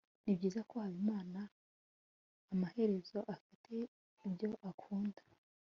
nibyiza ko habimana amaherezo afite ibyo akunda